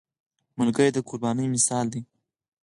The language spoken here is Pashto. ملګری د قربانۍ مثال دی